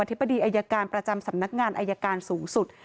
ธิบดีอายการประจำสำนักงานอายการสูงสุด